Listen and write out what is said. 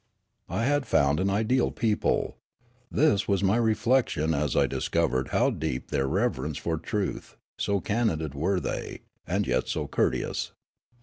I had found an ideal people. This was my reflection as I discovered how deep was their reverence for truth — so candid were the)^ and yet so courteous.